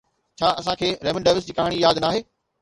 ڇا اسان کي ريمنڊ ڊيوس جي ڪهاڻي ياد ناهي؟